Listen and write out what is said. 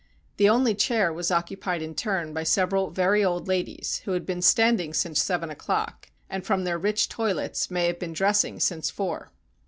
The only chair was occupied in turn by several very old ladies, who had been standing since seven o'clock, and, from their rich toilets, may have been dressing since four.